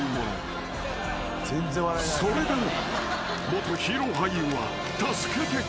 ［それでも］